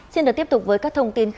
xin được tiếp tục với các thông tin